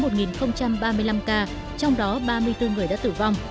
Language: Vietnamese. trong một ba mươi năm ca trong đó ba mươi bốn người đã tử vong